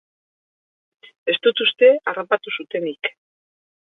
Ez dut uste harrapatu zutenik.